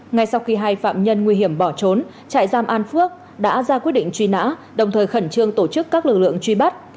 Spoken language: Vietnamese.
ngay sau khi hai phạm nhân nguy hiểm bỏ trốn trại giam an phước đã ra quyết định truy nã đồng thời khẩn trương tổ chức các lực lượng truy bắt